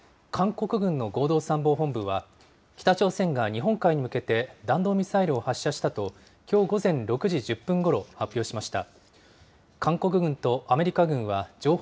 韓国軍の合同参謀本部は、北朝鮮が、日本海に向けて弾道ミサイルを発射したと、きょう午前６時１０分ごろ、発表しました。